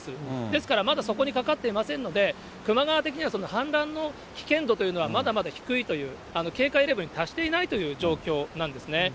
ですから、まだそこにかかってませんので、球磨川的には氾濫の危険度というのは、まだまだ低いという、警戒レベルに達していないという状況なんですね。